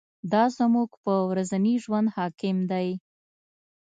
دا زموږ په ورځني ژوند حاکم دی.